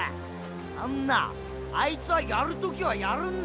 あんなァあいつはやる時はやるんだよ！